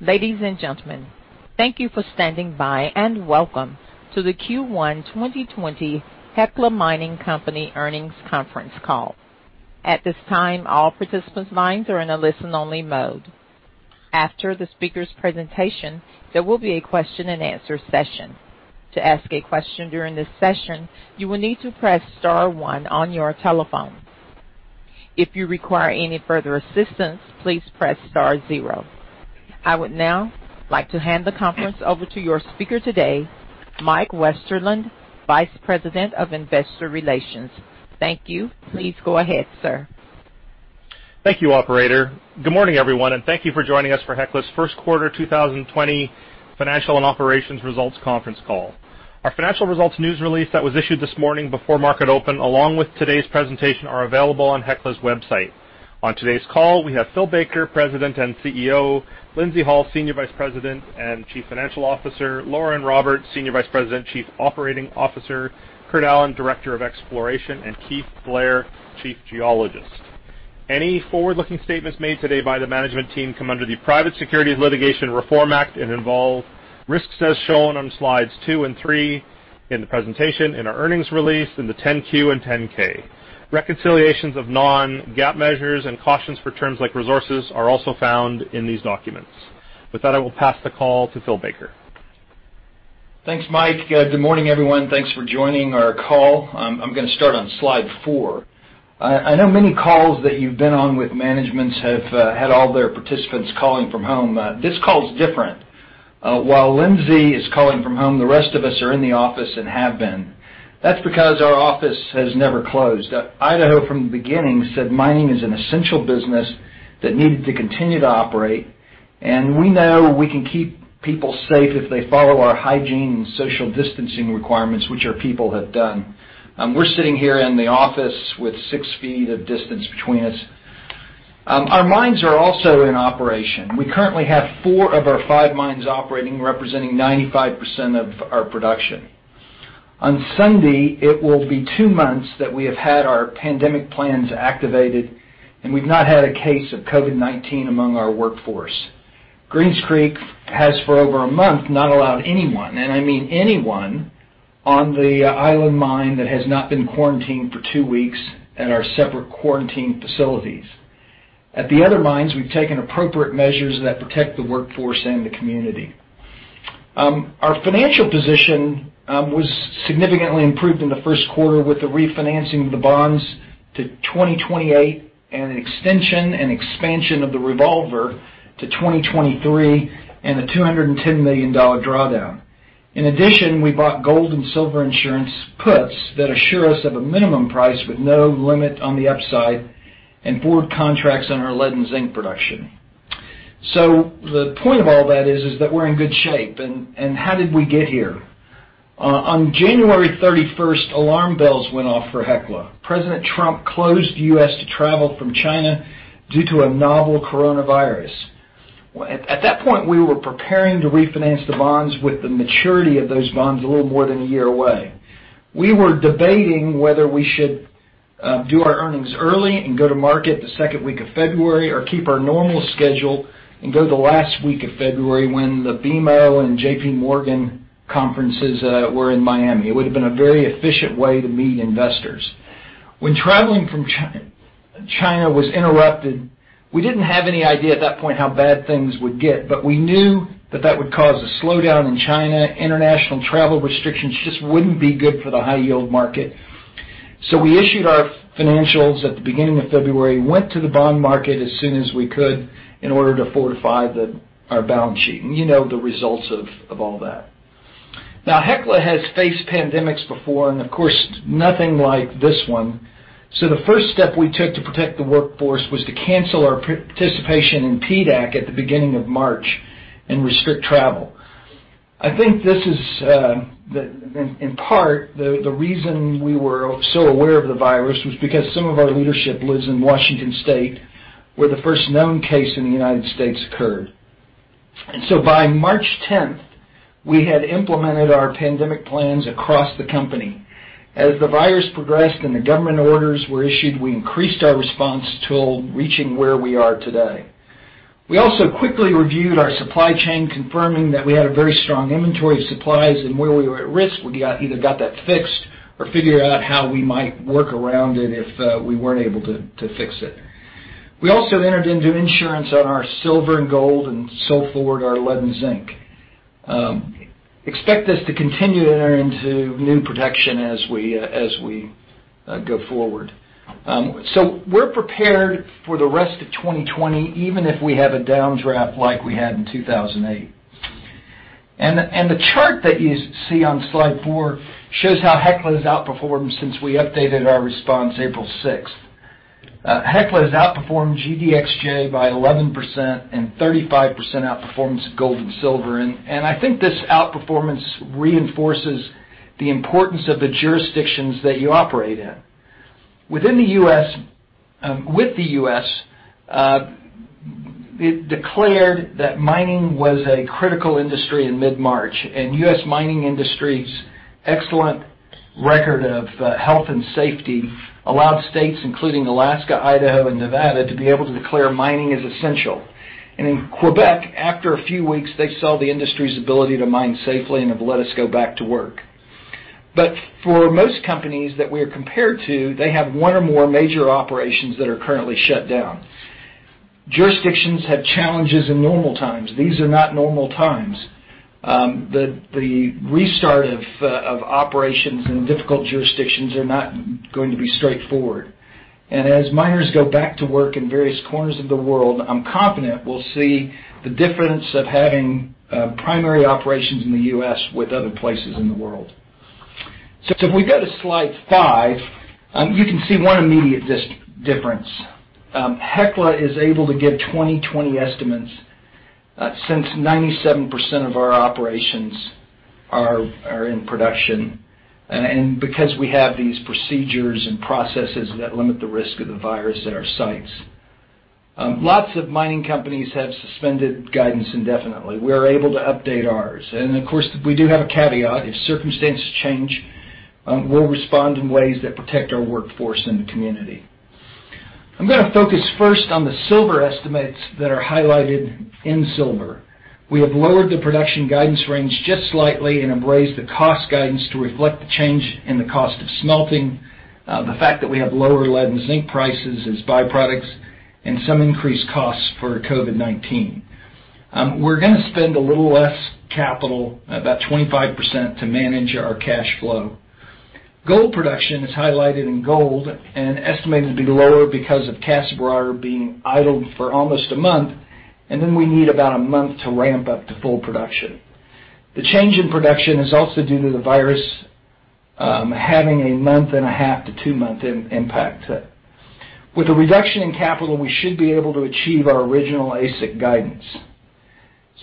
Ladies and gentlemen, thank you for standing by, Welcome to the Q1 2020 Hecla Mining Company Earnings Conference Call. At this time, all participants' lines are in a listen-only mode. After the speakers' presentation, there will be a question-and-answer session. To ask a question during this session, you will need to press star one on your telephone. If you require any further assistance, please press star zero. I would now like to hand the conference over to your speaker today, Mike Westerlund, Vice President of Investor Relations. Thank you. Please go ahead, sir. Thank you, operator. Good morning, everyone. Thank you for joining us for Hecla's first quarter 2020 financial and operations results conference call. Our financial results news release that was issued this morning before market open, along with today's presentation, are available on Hecla's website. On today's call, we have Phil Baker, President and CEO, Lindsay Hall, Senior Vice President and Chief Financial Officer, Lauren Roberts, Senior Vice President, Chief Operating Officer, Kurt Allen, Director of Exploration, and Keith Blair, Chief Geologist. Any forward-looking statements made today by the management team come under the Private Securities Litigation Reform Act and involve risks as shown on slides two and three in the presentation, in our earnings release, in the 10-Q and 10-K. Reconciliations of non-GAAP measures and cautions for terms like resources are also found in these documents. With that, I will pass the call to Phil Baker. Thanks, Mike. Good morning, everyone. Thanks for joining our call. I'm going to start on slide four. I know many calls that you've been on with managements have had all their participants calling from home. This call is different. While Lindsay is calling from home, the rest of us are in the office and have been. That's because our office has never closed. Idaho, from the beginning, said mining is an essential business that needed to continue to operate, and we know we can keep people safe if they follow our hygiene and social distancing requirements, which our people have done. We're sitting here in the office with six feet of distance between us. Our mines are also in operation. We currently have four of our five mines operating, representing 95% of our production. On Sunday, it will be two months that we have had our pandemic plans activated, and we've not had a case of COVID-19 among our workforce. Greens Creek has, for over a month, not allowed anyone, and I mean anyone, on the island mine that has not been quarantined for two weeks at our separate quarantine facilities. At the other mines, we've taken appropriate measures that protect the workforce and the community. Our financial position was significantly improved in the first quarter with the refinancing of the bonds to 2028 and an extension and expansion of the revolver to 2023 and a $210 million drawdown. In addition, we bought gold and silver insurance puts that assure us of a minimum price with no limit on the upside and forward contracts on our lead and zinc production. The point of all that is that we're in good shape. How did we get here? On January 31st, alarm bells went off for Hecla. President Trump closed the U.S. to travel from China due to a novel coronavirus. At that point, we were preparing to refinance the bonds with the maturity of those bonds a little more than one year away. We were debating whether we should do our earnings early and go to market the second week of February or keep our normal schedule and go the last week of February when the BMO and JP Morgan conferences were in Miami. It would have been a very efficient way to meet investors. When traveling from China was interrupted, we didn't have any idea at that point how bad things would get, but we knew that that would cause a slowdown in China. International travel restrictions just wouldn't be good for the high yield market. We issued our financials at the beginning of February, went to the bond market as soon as we could in order to fortify our balance sheet, and you know the results of all that. Hecla has faced pandemics before and, of course, nothing like this one. The first step we took to protect the workforce was to cancel our participation in PDAC at the beginning of March and restrict travel. I think this is, in part, the reason we were so aware of the virus was because some of our leadership lives in Washington state, where the first known case in the U.S. occurred. By March 10th, we had implemented our pandemic plans across the company. As the virus progressed and the government orders were issued, we increased our response tool, reaching where we are today. We also quickly reviewed our supply chain, confirming that we had a very strong inventory of supplies, and where we were at risk, we either got that fixed or figured out how we might work around it if we weren't able to fix it. We also entered into insurance on our silver and gold and sold forward our lead and zinc. Expect us to continue to enter into new protection as we go forward. We're prepared for the rest of 2020, even if we have a downdraft like we had in 2008. The chart that you see on slide four shows how Hecla has outperformed since we updated our response April 6th. Hecla has outperformed GDXJ by 11% and 35% outperformance of gold and silver, and I think this outperformance reinforces the importance of the jurisdictions that you operate in. With the U.S., it declared that mining was a critical industry in mid-March, and the US mining industry's excellent record of health and safety allowed states including Alaska, Idaho, and Nevada, to be able to declare mining as essential. In Quebec, after a few weeks, they saw the industry's ability to mine safely and have let us go back to work. For most companies that we are compared to, they have one or more major operations that are currently shut down. Jurisdictions had challenges in normal times. These are not normal times. The restart of operations in difficult jurisdictions are not going to be straightforward. As miners go back to work in various corners of the world, I'm confident we'll see the difference of having primary operations in the U.S. with other places in the world. If we go to slide five, you can see one immediate difference. Hecla is able to give 2020 estimates since 97% of our operations are in production, and because we have these procedures and processes that limit the risk of the virus at our sites. Lots of mining companies have suspended guidance indefinitely. We are able to update ours. Of course, we do have a caveat. If circumstances change, we'll respond in ways that protect our workforce and the community. I'm going to focus first on the silver estimates that are highlighted in silver. We have lowered the production guidance range just slightly and have raised the cost guidance to reflect the change in the cost of smelting, the fact that we have lower lead and zinc prices as byproducts, and some increased costs for COVID-19. We're going to spend a little less capital, about 25%, to manage our cash flow. Gold production is highlighted in gold and estimated to be lower because of Casa Berardi being idled for almost a month, and then we need about a month to ramp up to full production. The change in production is also due to the virus having a month and a half to two month impact. With the reduction in capital, we should be able to achieve our original AISC guidance.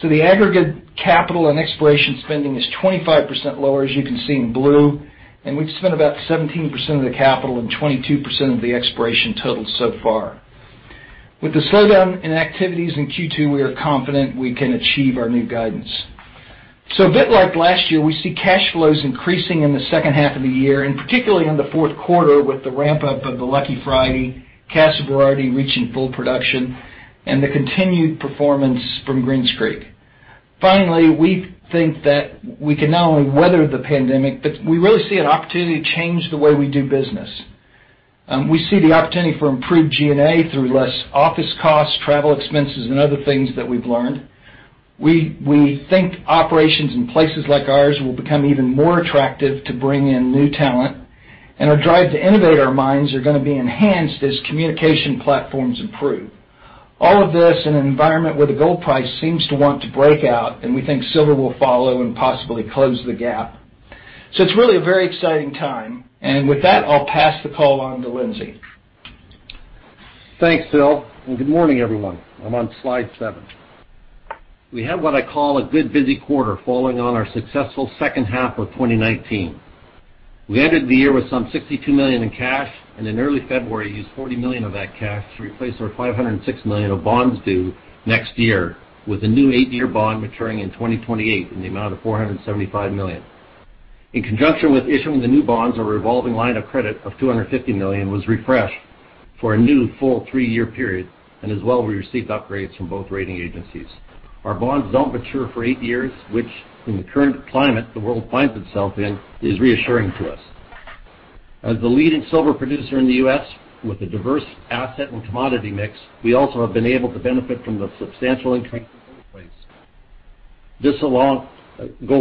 The aggregate capital and exploration spending is 25% lower, as you can see in blue, and we've spent about 17% of the capital and 22% of the exploration total so far. With the slowdown in activities in Q2, we are confident we can achieve our new guidance. A bit like last year, we see cash flows increasing in the second half of the year, and particularly in the fourth quarter with the ramp-up of the Lucky Friday, Casa Berardi reaching full production, and the continued performance from Greens Creek. Finally, we think that we can not only weather the pandemic, but we really see an opportunity to change the way we do business. We see the opportunity for improved G&A through less office costs, travel expenses, and other things that we've learned. We think operations in places like ours will become even more attractive to bring in new talent, and our drive to innovate our mines are going to be enhanced as communication platforms improve. All of this in an environment where the gold price seems to want to break out, and we think silver will follow and possibly close the gap. It's really a very exciting time. With that, I'll pass the call on to Lindsay. Thanks, Phil, and good morning, everyone. I'm on slide seven. We had what I call a good busy quarter following on our successful second half of 2019. We ended the year with some $62 million in cash, and in early February, used $40 million of that cash to replace our $506 million of bonds due next year with a new eight-year bond maturing in 2028 in the amount of $475 million. In conjunction with issuing the new bonds, our revolving line of credit of $250 million was refreshed for a new full three-year period, and as well, we received upgrades from both rating agencies. Our bonds don't mature for eight years, which in the current climate the world finds itself in, is reassuring to us. As the leading silver producer in the U.S. with a diverse asset and commodity mix, we also have been able to benefit from the substantial increase in gold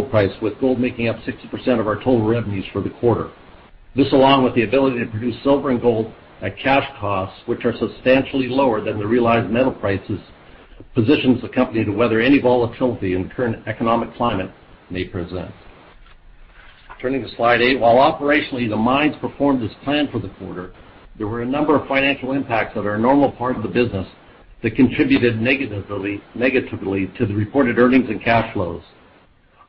price. With gold making up 60% of our total revenues for the quarter. This, along with the ability to produce silver and gold at cash costs, which are substantially lower than the realized metal prices, positions the company to weather any volatility in the current economic climate may present. Turning to slide eight. While operationally the mines performed as planned for the quarter, there were a number of financial impacts that are a normal part of the business that contributed negatively to the reported earnings and cash flows.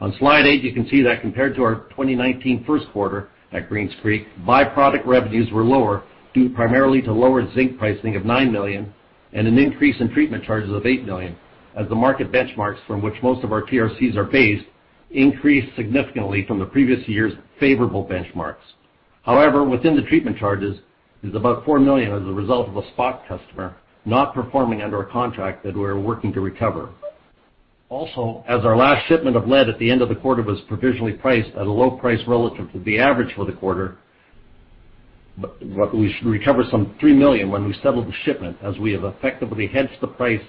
On slide eight, you can see that compared to our 2019 first quarter at Greens Creek, by-product revenues were lower due primarily to lower zinc pricing of $9 million and an increase in treatment charges of $8 million as the market benchmarks from which most of our TRCs are based increased significantly from the previous year's favorable benchmarks. However, within the treatment charges is about $4 million as a result of a spot customer not performing under a contract that we're working to recover. Also, as our last shipment of lead at the end of the quarter was provisionally priced at a low price relative to the average for the quarter, we should recover some $3 million when we settle the shipment, as we have effectively hedged the price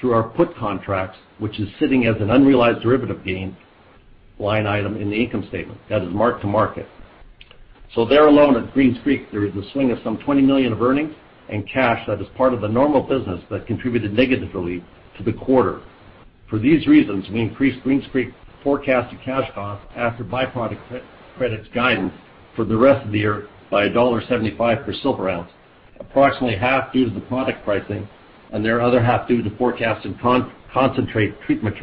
through our put contracts, which is sitting as an unrealized derivative gain line item in the income statement that is mark-to-market. There alone at Greens Creek, there is a swing of $20 million of earnings and cash that is part of the normal business that contributed negatively to the quarter. For these reasons, we increased Greens Creek forecasted cash costs after by-product credits guidance for the rest of the year by $1.75 per silver ounce, approximately half due to the product pricing, and the other half due to the forecasted concentrate treatment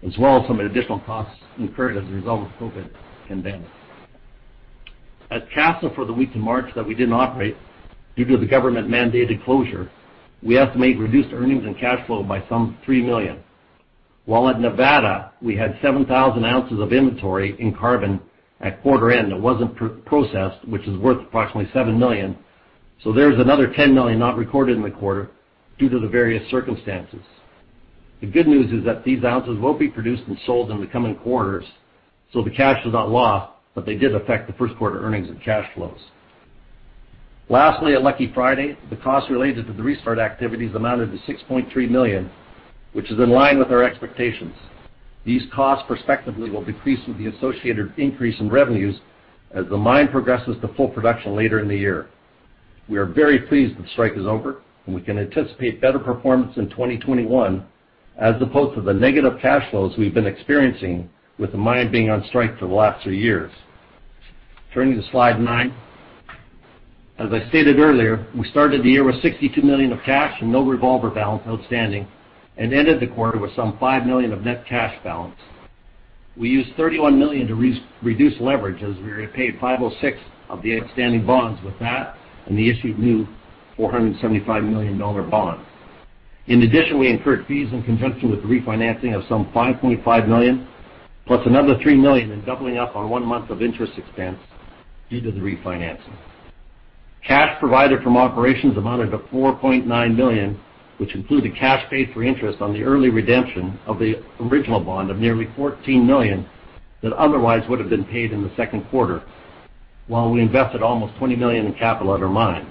charges, as well as some additional costs incurred as a result of the COVID-19 pandemic. At Casa, for the week in March that we didn't operate due to the government-mandated closure, we estimate reduced earnings and cash flow by $3 million. While at Nevada, we had 7,000 ounces of inventory in carbon at quarter end that wasn't processed, which is worth approximately $7 million. There's another $10 million not recorded in the quarter due to the various circumstances. The good news is that these ounces will be produced and sold in the coming quarters, so the cash is not lost, but they did affect the first quarter earnings and cash flows. Lastly, at Lucky Friday, the cost related to the restart activities amounted to $6.3 million, which is in line with our expectations. These costs prospectively will decrease with the associated increase in revenues as the mine progresses to full production later in the year. We are very pleased that the strike is over, and we can anticipate better performance in 2021 as opposed to the negative cash flows we've been experiencing with the mine being on strike for the last three years. Turning to slide nine. As I stated earlier, we started the year with $62 million of cash and no revolver balance outstanding, ended the quarter with some $5 million of net cash balance. We used $31 million to reduce leverage as we repaid $506 million of the outstanding bonds with that and the issued new $475 million bond. In addition, we incurred fees in conjunction with the refinancing of some $5.5 million, plus another $3 million in doubling up on one month of interest expense due to the refinancing. Cash provided from operations amounted to $4.9 million, which included cash paid for interest on the early redemption of the original bond of nearly $14 million that otherwise would have been paid in the second quarter, while we invested almost $20 million in capital at our mines.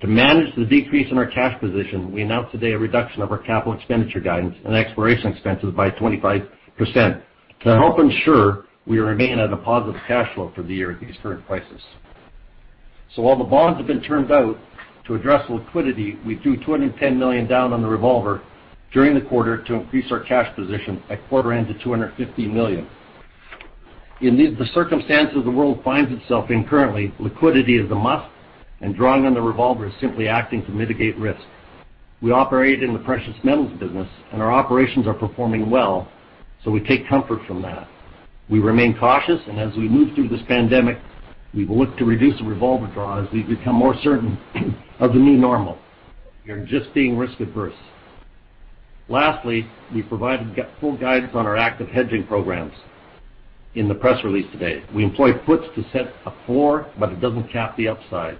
To manage the decrease in our cash position, we announced today a reduction of our capital expenditure guidance and exploration expenses by 25% to help ensure we remain at a positive cash flow for the year at these current prices. While the bonds have been turned out to address liquidity, we drew $210 million down on the revolver during the quarter to increase our cash position at quarter end to $250 million. In the circumstances the world finds itself in currently, liquidity is a must, and drawing on the revolver is simply acting to mitigate risk. We operate in the precious metals business, and our operations are performing well, so we take comfort from that. We remain cautious, and as we move through this pandemic, we will look to reduce the revolver draw as we become more certain of the new normal. We are just being risk-averse. Lastly, we provided full guidance on our active hedging programs in the press release today. We employ puts to set a floor, but it doesn't cap the upside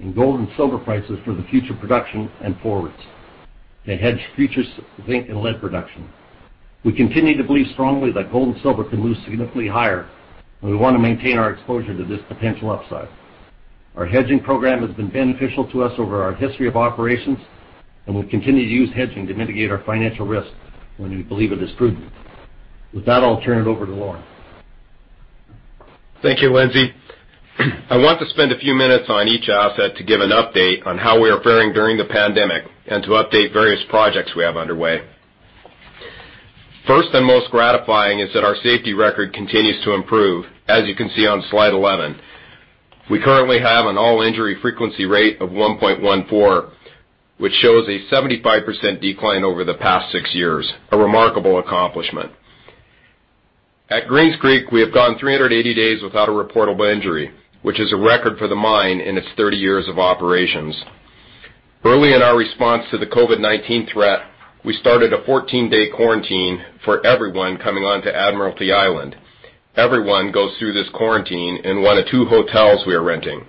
in gold and silver prices for the future production and forwards. They hedge futures, zinc, and lead production. We continue to believe strongly that gold and silver can move significantly higher, and we want to maintain our exposure to this potential upside. Our hedging program has been beneficial to us over our history of operations, and we continue to use hedging to mitigate our financial risk when we believe it is prudent. With that, I'll turn it over to Lauren. Thank you, Lindsay. I want to spend a few minutes on each asset to give an update on how we are faring during the pandemic and to update various projects we have underway. First and most gratifying is that our safety record continues to improve, as you can see on slide 11. We currently have an all-injury frequency rate of 1.14, which shows a 75% decline over the past six years, a remarkable accomplishment. At Greens Creek, we have gone 380 days without a reportable injury, which is a record for the mine in its 30 years of operations. Early in our response to the COVID-19 threat, we started a 14-day quarantine for everyone coming onto Admiralty Island. Everyone goes through this quarantine in one of two hotels we are renting.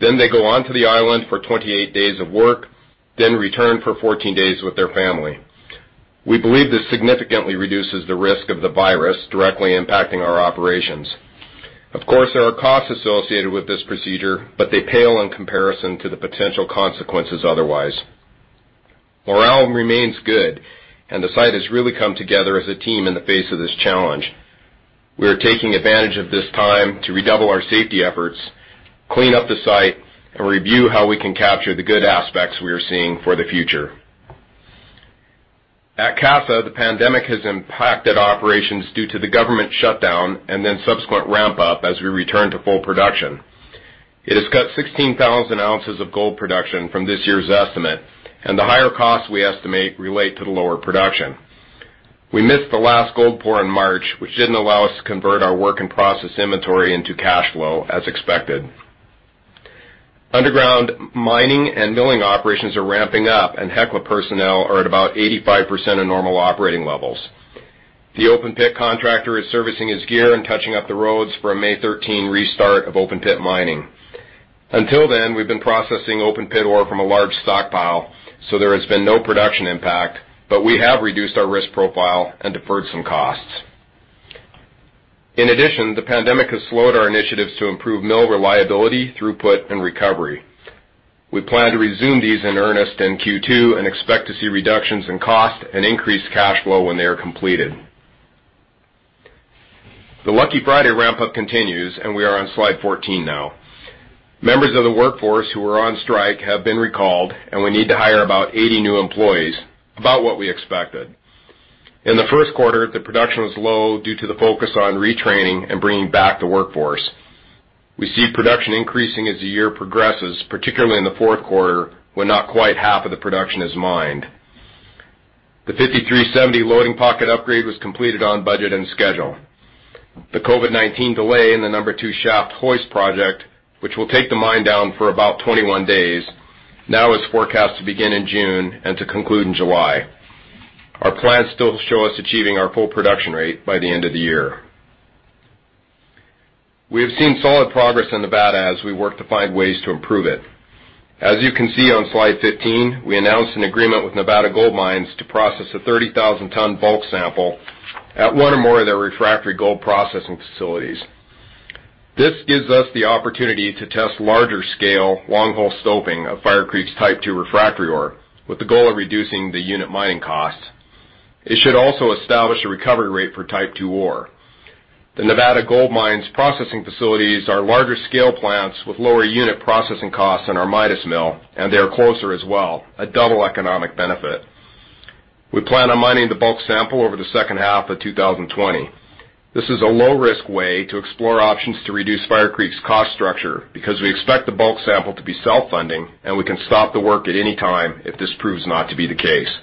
They go onto the island for 28 days of work, then return for 14 days with their family. We believe this significantly reduces the risk of the virus directly impacting our operations. Of course, there are costs associated with this procedure, but they pale in comparison to the potential consequences otherwise. Morale remains good. The site has really come together as a team in the face of this challenge. We are taking advantage of this time to redouble our safety efforts, clean up the site, and review how we can capture the good aspects we are seeing for the future. At Casa, the pandemic has impacted operations due to the government shutdown and then subsequent ramp up as we return to full production. It has cut 16,000 ounces of gold production from this year's estimate. The higher costs we estimate relate to the lower production. We missed the last gold pour in March, which didn't allow us to convert our work and process inventory into cash flow as expected. Underground mining and milling operations are ramping up, and Hecla personnel are at about 85% of normal operating levels. The open pit contractor is servicing his gear and touching up the roads for a May 13 restart of open pit mining. Until then, we've been processing open pit ore from a large stockpile, so there has been no production impact, but we have reduced our risk profile and deferred some costs. In addition, the pandemic has slowed our initiatives to improve mill reliability, throughput, and recovery. We plan to resume these in earnest in Q2 and expect to see reductions in cost and increased cash flow when they are completed. The Lucky Friday ramp up continues, and we are on slide 14 now. Members of the workforce who were on strike have been recalled, and we need to hire about 80 new employees, about what we expected. In the first quarter, the production was low due to the focus on retraining and bringing back the workforce. We see production increasing as the year progresses, particularly in the fourth quarter, when not quite half of the production is mined. The 5370 loading pocket upgrade was completed on budget and schedule. The COVID-19 delay in the number two shaft hoist project, which will take the mine down for about 21 days, now is forecast to begin in June and to conclude in July. Our plans still show us achieving our full production rate by the end of the year. We have seen solid progress in Nevada as we work to find ways to improve it. As you can see on slide 15, we announced an agreement with Nevada Gold Mines to process a 30,000-ton bulk sample at one or more of their refractory gold processing facilities. This gives us the opportunity to test larger scale, long hole stoping of Fire Creek's Type 2 refractory ore, with the goal of reducing the unit mining costs. It should also establish a recovery rate for Type 2 ore. The Nevada Gold Mines processing facilities are larger scale plants with lower unit processing costs than our Midas mill, and they are closer as well, a double economic benefit. We plan on mining the bulk sample over the second half of 2020. This is a low-risk way to explore options to reduce Fire Creek's cost structure, because we expect the bulk sample to be self-funding, and we can stop the work at any time if this proves not to be the case.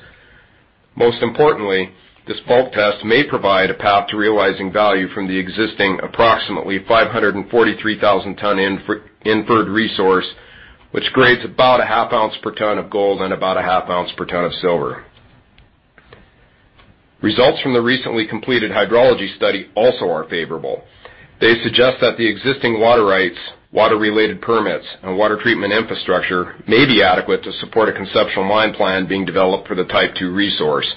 Most importantly, this bulk test may provide a path to realizing value from the existing approximately 543,000 ton inferred resource, which grades about a half ounce per tonn of gold and about a half ounce per ton of silver. Results from the recently completed hydrology study also are favorable. They suggest that the existing water rights, water-related permits, and water treatment infrastructure may be adequate to support a conceptual mine plan being developed for the Type 2 resource.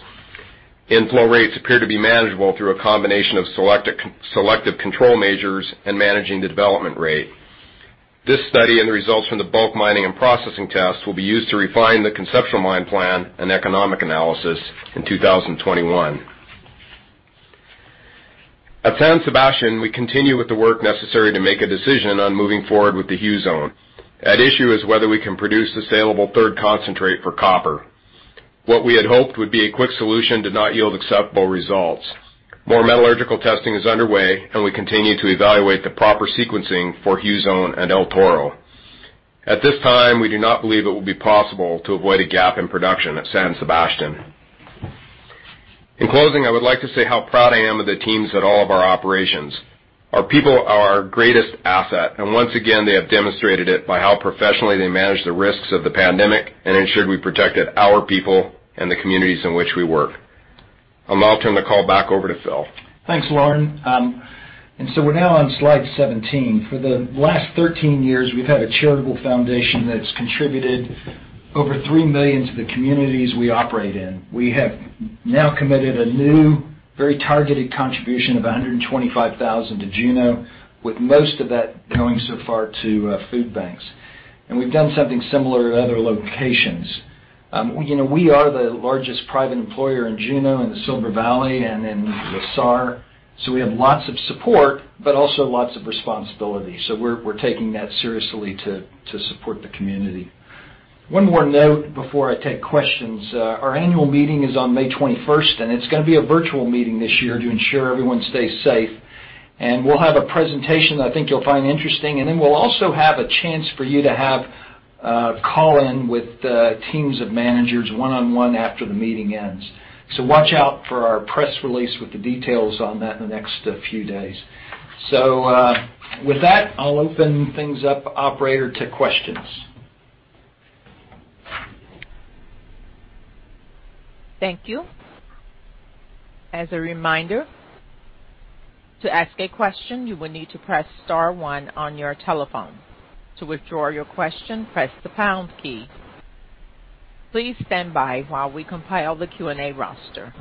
Inflow rates appear to be manageable through a combination of selective control measures and managing the development rate. This study and the results from the bulk mining and processing tests will be used to refine the conceptual mine plan and economic analysis in 2021. At San Sebastian, we continue with the work necessary to make a decision on moving forward with the Hugh Zone. At issue is whether we can produce a saleable third concentrate for copper. What we had hoped would be a quick solution did not yield acceptable results. More metallurgical testing is underway, and we continue to evaluate the proper sequencing for Hugh Zone and El Toro. At this time, we do not believe it will be possible to avoid a gap in production at San Sebastian. In closing, I would like to say how proud I am of the teams at all of our operations. Our people are our greatest asset, and once again, they have demonstrated it by how professionally they manage the risks of the pandemic and ensured we protected our people and the communities in which we work. I'll now turn the call back over to Phil. Thanks, Lauren. We're now on slide 17. For the last 13 years, we've had a charitable foundation that's contributed over $3 million to the communities we operate in. We have now committed a new, very targeted contribution of $125,000 to Juneau, with most of that going so far to food banks. We've done something similar in other locations. We are the largest private employer in Juneau, in the Silver Valley, and in La Sarre. We have lots of support, but also lots of responsibility. We're taking that seriously to support the community. One more note before I take questions. Our annual meeting is on May 21st, and it's going to be a virtual meeting this year to ensure everyone stays safe. We'll have a presentation that I think you'll find interesting. We'll also have a chance for you to have a call in with the teams of managers one-on-one after the meeting ends. Watch out for our press release with the details on that in the next few days. With that, I'll open things up, operator, to questions. Thank you. As a reminder, to ask a question, you will need to press star 1 on your telephone. To withdraw your question, press the pound key. Please stand by while onee compile the Q&A roster.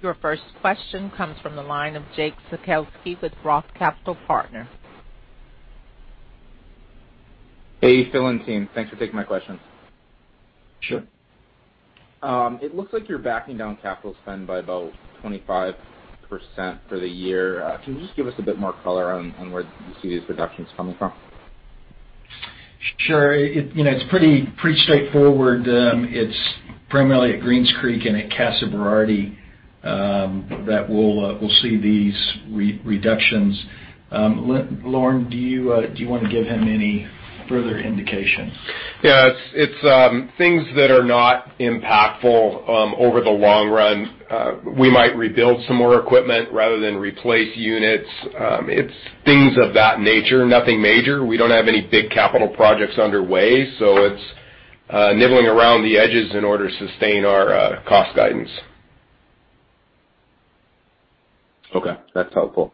Your first question comes from the line of Jake Sekelsky with Roth Capital Partners. Hey, Phil and team. Thanks for taking my questions. Sure. It looks like you're backing down capital spend by about 25% for the year. Can you just give us a bit more color on where you see these reductions coming from? Sure. It's pretty straightforward. It's primarily at Greens Creek and at Casa Berardi that we'll see these reductions. Lauren, do you want to give him any further indication? It's things that are not impactful over the long run. We might rebuild some more equipment rather than replace units. It's things of that nature. Nothing major. We don't have any big capital projects underway, so it's nibbling around the edges in order to sustain our cost guidance. Okay. That's helpful.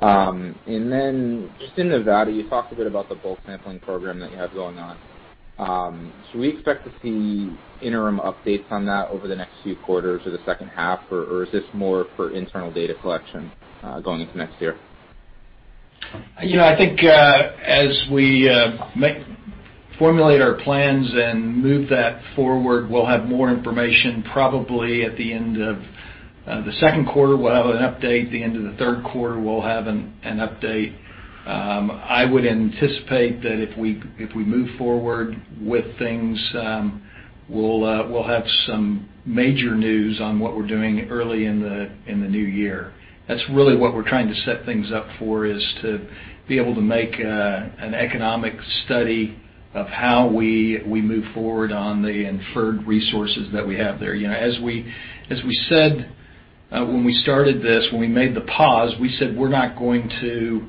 Just in Nevada, you talked a bit about the bulk sampling program that you have going on. Should we expect to see interim updates on that over the next few quarters or the second half? Or is this more for internal data collection going into next year? I think as we formulate our plans and move that forward, we'll have more information probably at the end of the second quarter, we'll have an update. The end of the third quarter, we'll have an update. I would anticipate that if we move forward with things, we'll have some major news on what we're doing early in the new year. That's really what we're trying to set things up for is to be able to make an economic study of how we move forward on the inferred resources that we have there. When we started this, when we made the pause, we said we're not going to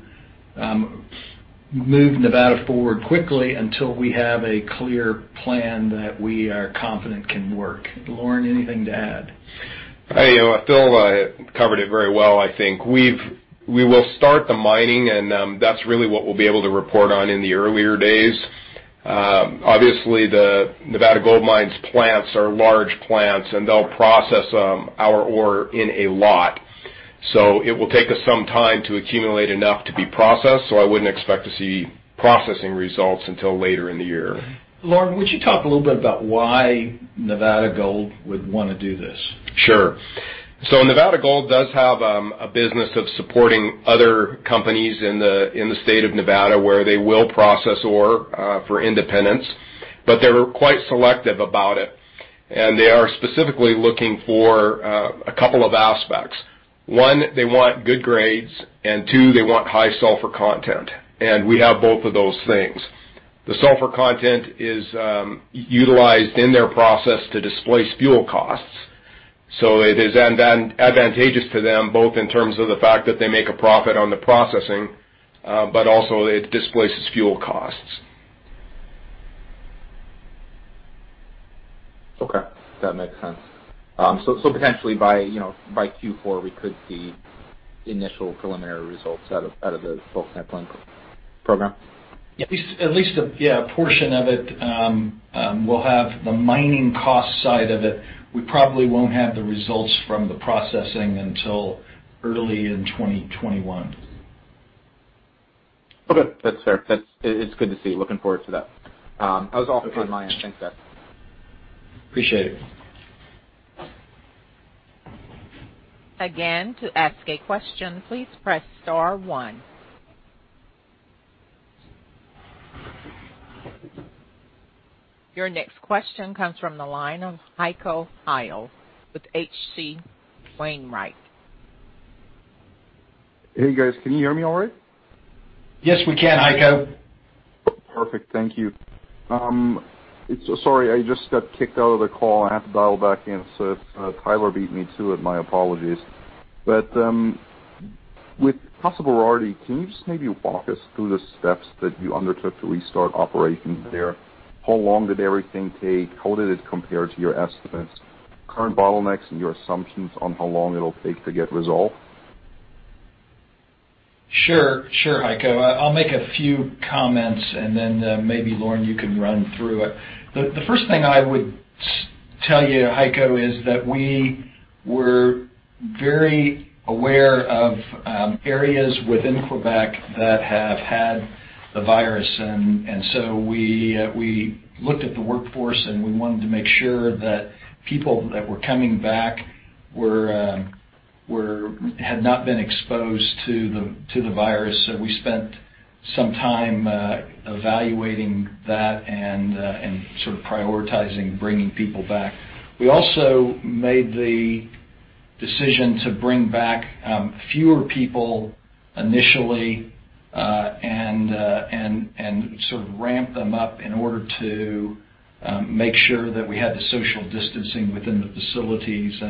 move Nevada forward quickly until we have a clear plan that we are confident can work. Lauren, anything to add? Phil covered it very well, I think. We will start the mining, and that's really what we'll be able to report on in the earlier days. Obviously, the Nevada Gold Mines' plants are large plants, and they'll process our ore in a lot. It will take us some time to accumulate enough to be processed, I wouldn't expect to see processing results until later in the year. Lauren, would you talk a little bit about why Nevada Gold would want to do this? Sure. Nevada Gold Mines does have a business of supporting other companies in the state of Nevada, where they will process ore for independents. They're quite selective about it, and they are specifically looking for a couple of aspects. One, they want good grades, and two, they want high sulfur content. We have both of those things. The sulfur content is utilized in their process to displace fuel costs. It is advantageous to them, both in terms of the fact that they make a profit on the processing, but also it displaces fuel costs. Okay. That makes sense. Potentially by Q4, we could see initial preliminary results out of the bulk sampling program? Yes. At least a portion of it. We'll have the mining cost side of it. We probably won't have the results from the processing until early in 2021. Okay. That's fair. It's good to see. Looking forward to that. That was all for my end. Thanks, guys. Appreciate it. Again, to ask a question, please press star one. Your next question comes from the line of Heiko Ihle with H.C. Wainwright. Hey, guys. Can you hear me all right? Yes, we can, Heiko. Perfect. Thank you. Sorry, I just got kicked out of the call, and I had to dial back in. Tyler beat me to it. My apologies. With possible clarity, can you just maybe walk us through the steps that you undertook to restart operations there? How long did everything take? How did it compare to your estimates? Current bottlenecks and your assumptions on how long it'll take to get resolved. Sure, Heiko. I'll make a few comments, and then maybe, Lauren, you can run through it. The first thing I would tell you, Heiko, is that we were very aware of areas within Quebec that have had the virus. We looked at the workforce, and we wanted to make sure that people that were coming back had not been exposed to the virus. We spent some time evaluating that and prioritizing bringing people back. We also made the decision to bring back fewer people initially and ramp them up in order to make sure that we had the social distancing within the facilities.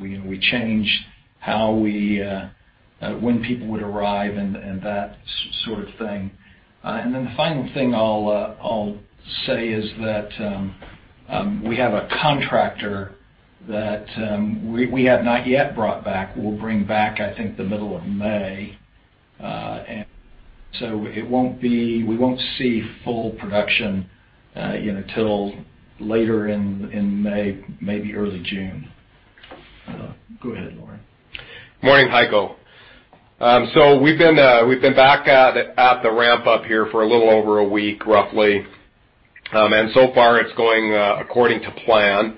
We changed when people would arrive and that sort of thing. The final thing I'll say is that we have a contractor that we have not yet brought back. We'll bring back, I think, the middle of May. We won't see full production until later in May, maybe early June. Go ahead, Lauren. Morning, Heiko Ihle. We've been back at the ramp up here for a little over a week, roughly. So far, it's going according to plan.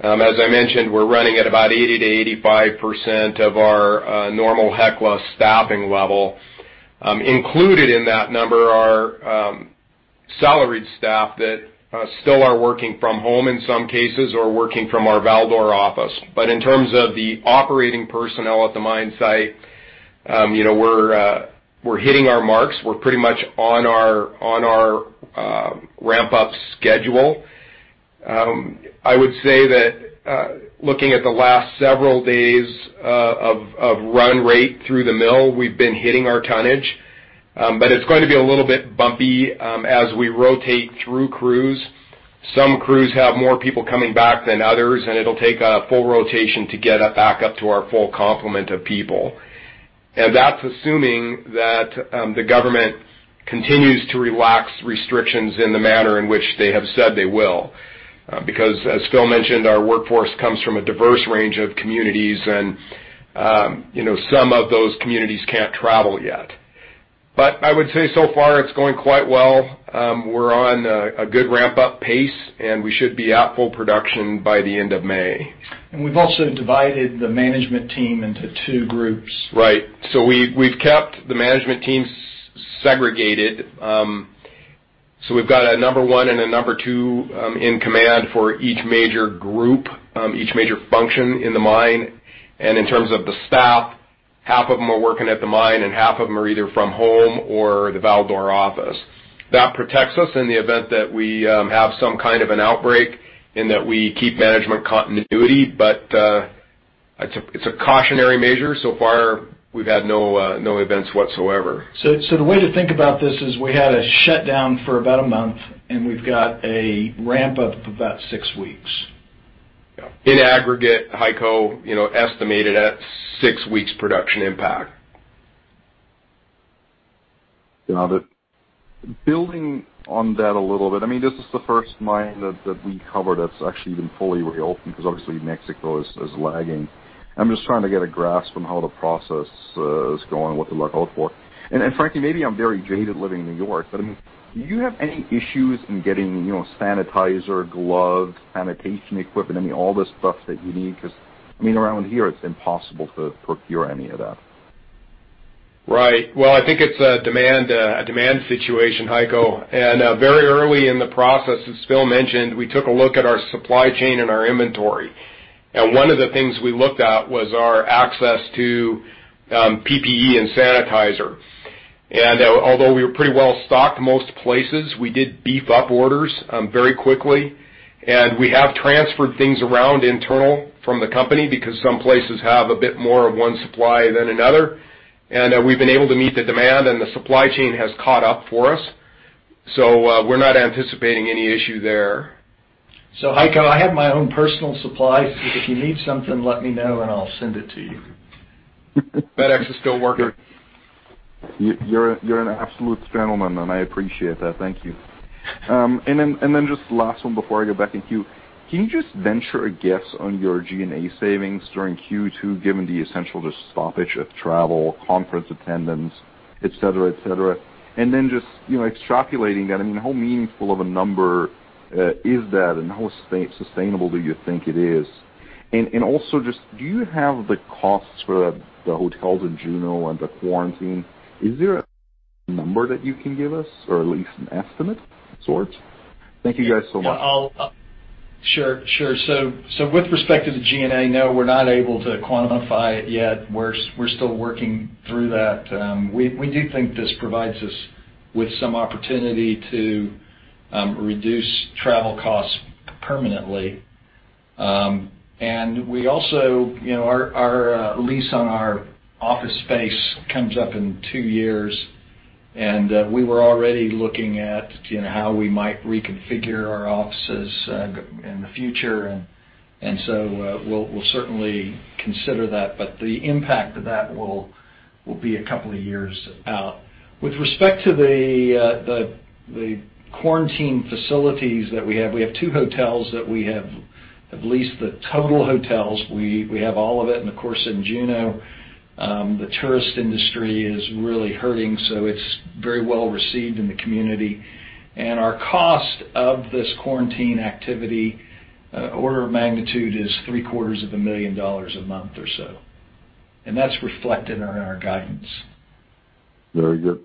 As I mentioned, we're running at about 80%-85% of our normal Hecla staffing level. Included in that number are salaried staff that still are working from home in some cases or working from our Val-d'Or office. In terms of the operating personnel at the mine site, we're hitting our marks. We're pretty much on our ramp-up schedule. I would say that looking at the last several days of run rate through the mill, we've been hitting our tonnage. It's going to be a little bit bumpy as we rotate through crews. Some crews have more people coming back than others, and it'll take a full rotation to get back up to our full complement of people. That's assuming that the government continues to relax restrictions in the manner in which they have said they will. As Phil mentioned, our workforce comes from a diverse range of communities, and some of those communities can't travel yet. I would say so far it's going quite well. We're on a good ramp-up pace, and we should be at full production by the end of May. We've also divided the management team into two groups. Right. We've kept the management teams segregated. We've got a number one and a number two in command for each major group, each major function in the mine. In terms of the staff half of them are working at the mine, and half of them are either from home or the Val-d'Or office. That protects us in the event that we have some kind of an outbreak in that we keep management continuity, but it's a cautionary measure. So far, we've had no events whatsoever. The way to think about this is we had a shutdown for about a month, and we've got a ramp-up of about six weeks. Yeah. In aggregate, Heiko, estimated at six weeks' production impact. Got it. Building on that a little bit, this is the first mine that we covered that's actually been fully reopened because obviously Mexico is lagging. I'm just trying to get a grasp on how the process is going, what to look out for. frankly, maybe I'm very jaded living in New York, but do you have any issues in getting sanitizer, gloves, sanitation equipment, all the stuff that you need? Because around here, it's impossible to procure any of that. Right. Well, I think it's a demand situation, Heiko. Very early in the process, as Phil mentioned, we took a look at our supply chain and our inventory. One of the things we looked at was our access to PPE and sanitizer. Although we were pretty well-stocked most places, we did beef up orders very quickly. We have transferred things around internal from the company because some places have a bit more of one supply than another. We've been able to meet the demand, and the supply chain has caught up for us. We're not anticipating any issue there. Heiko, I have my own personal supply. If you need something, let me know, and I'll send it to you. FedEx is still working. You're an absolute gentleman, and I appreciate that. Thank you. Just last one before I go back in queue. Can you just venture a guess on your G&A savings during Q2, given the essential just stoppage of travel, conference attendance, et cetera? Just extrapolating that, how meaningful of a number is that, and how sustainable do you think it is? Also, do you have the costs for the hotels in Juneau and the quarantine? Is there a number that you can give us or at least an estimate sort? Thank you guys so much. Sure. With respect to the G&A, no, we're not able to quantify it yet. We're still working through that. We do think this provides us with some opportunity to reduce travel costs permanently. Our lease on our office space comes up in two years, and we were already looking at how we might reconfigure our offices in the future. We'll certainly consider that, but the impact of that will be a couple of years out. With respect to the quarantine facilities that we have, we have two hotels that we have leased the total hotels. We have all of it. Of course, in Juneau, the tourist industry is really hurting, so it's very well-received in the community. Our cost of this quarantine activity, order of magnitude, is $750,000 a month or so. That's reflected in our guidance. Very good.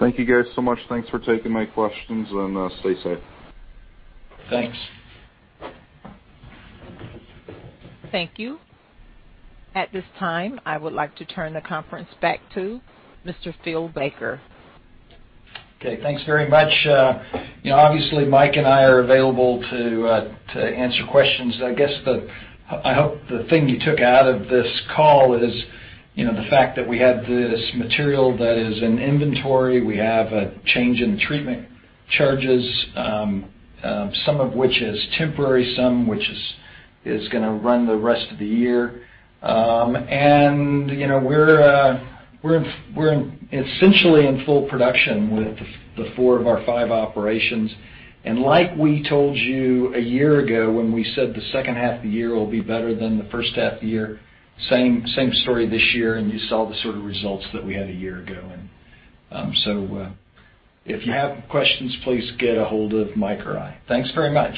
Thank you guys so much. Thanks for taking my questions, and stay safe. Thanks. Thank you. At this time, I would like to turn the conference back to Mr. Phil Baker. Okay. Thanks very much. Obviously, Mike and I are available to answer questions. I hope the thing you took out of this call is the fact that we had this material that is in inventory. We have a change in treatment charges, some of which is temporary, some of which is going to run the rest of the year. We're essentially in full production with the four of our five operations. Like we told you a year ago when we said the second half of the year will be better than the first half of the year, same story this year, and you saw the sort of results that we had a year ago. If you have questions, please get a hold of Mike or I. Thanks very much.